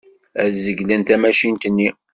Ad zeglen tamacint-nni.